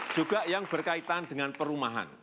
juga yang berkaitan dengan perumahan